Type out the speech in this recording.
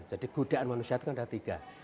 jadi gudian manusia itu kan ada tiga